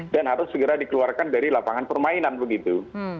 dan harus segera dikeluarkan dari lapangan permainan begitu